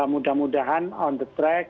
mudah mudahan on the track